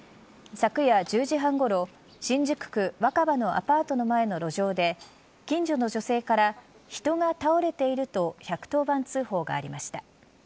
昨夜１０時半ごろ新宿区若葉のアパートの前の路上で近所の女性から人が倒れていると１１０番通報がありました。